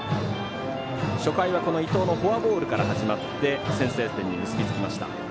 初回は、伊藤のフォアボールから始まって先制点に結びつきました。